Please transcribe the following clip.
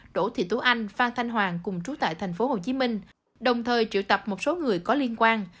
đỗ thị tú anh phan thanh hoàng cùng trú tại tp hcm đồng thời triệu tập một số người có liên quan